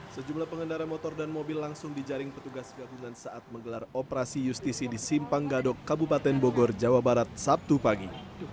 sejumlah pengendara motor dan mobil langsung dijaring petugas gabungan saat menggelar operasi justisi di simpang gadok kabupaten bogor jawa barat sabtu pagi